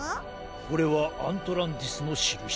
これはアントランティスのしるし。